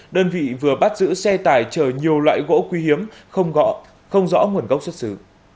đơn vị vừa bắt giữ xe tải chở nhiều loại gỗ quý hiếm không rõ nguồn gốc xuất xứ